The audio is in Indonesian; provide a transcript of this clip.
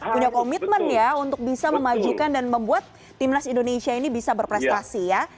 punya komitmen ya untuk bisa memajukan dan membuat timnas indonesia ini bisa berprestasi ya